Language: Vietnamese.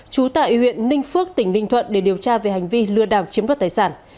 trú tại huyện ninh phước tỉnh ninh thuận để điều tra về hành vi lừa đảo chiếm đoạt tài sản